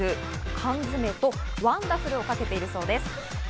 缶詰とワンダフルをかけているそうです。